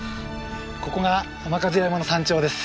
ここが雨飾山の山頂です。